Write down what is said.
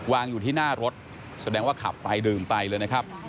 วางอยู่ที่หน้ารถแสดงว่าขับไปดื่มไปเลยนะครับ